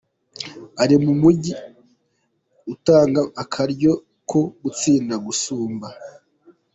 Ari mu mugwi utanga akaryo ko gutsinda gusumba.